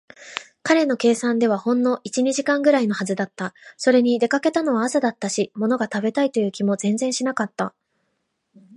彼の計算ではほんの一、二時間ぐらいのはずだった。それに、出かけたのは朝だったし、ものが食べたいという気も全然しなかった。